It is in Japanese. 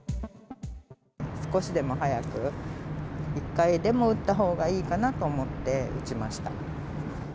少しでも早く、１回でも打ったほうがいいかなと思って、打ちました。